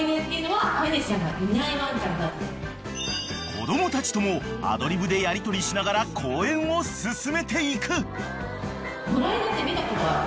［子供たちともアドリブでやりとりしながら講演を進めていく］